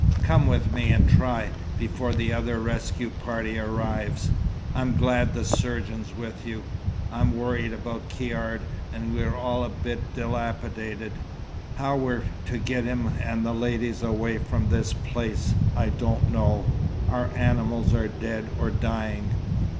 "Come with me and try, before the other rescue party arrives. I'm glad the surgeon's with you. I'm worried about Caird, and we're all a bit dilapidated. How we're to get him and the ladies away from this place, I don't know. Our animals are dead or dying."